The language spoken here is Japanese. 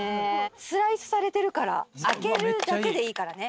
スライスされてるから、開けるだけでいいからね。